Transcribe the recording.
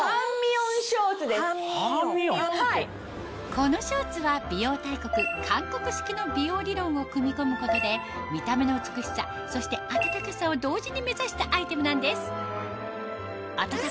このショーツは美容大国韓国式の美容理論を組み込むことで見た目の美しさそしてあたたかさを同時に目指したアイテムなんです